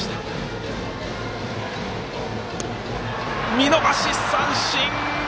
見逃し三振！